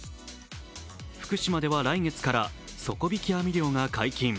福島では、来月から底引き網漁が解禁。